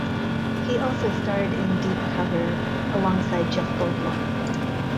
He also starred in "Deep Cover" alongside Jeff Goldblum.